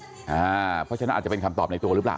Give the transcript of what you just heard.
เพราะฉะนั้นอาจจะเป็นคำตอบในตัวหรือเปล่า